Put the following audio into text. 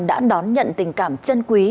đã đón nhận tình cảm chân quý